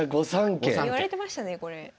いわれてましたねこれ。